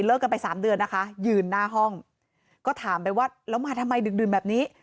กันไปสามเดือนนะคะยืนหน้าห้องก็ถามไปว่าแล้วมาทำไมดึกดื่นแบบนี้